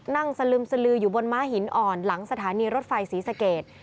สลึมสลืออยู่บนม้าหินอ่อนหลังสถานีรถไฟศรีสเกต